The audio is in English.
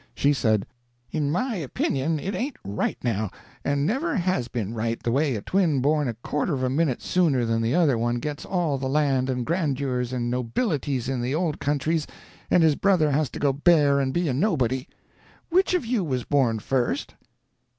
She said: "In my opinion it ain't right noW, and never has been right, the way a twin born a quarter of a minute sooner than the other one gets all the land and grandeurs and nobilities in the old countries and his brother has to go bare and be a nobody. Which of you was born first?"